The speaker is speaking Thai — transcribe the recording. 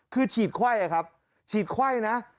คือฉีดไขว่นะครับฉีดไขว่นะ